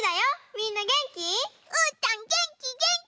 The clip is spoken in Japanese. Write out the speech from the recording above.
みんなげんき？